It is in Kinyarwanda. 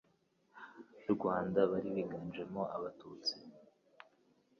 Rwanda bari biganjemo Abatutsi